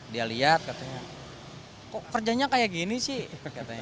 dia lihat katanya kok kerjanya kayak gini sih katanya